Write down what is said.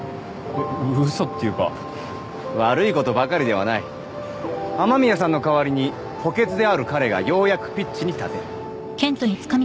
ウソっていうか悪いことばかりではない雨宮さんの代わりに補欠である彼がようやくピッチに立てる健人